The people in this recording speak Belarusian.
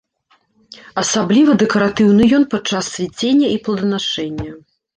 Асабліва дэкаратыўны ён падчас цвіцення і плоданашэння.